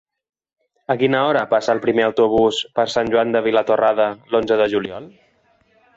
A quina hora passa el primer autobús per Sant Joan de Vilatorrada l'onze de juliol?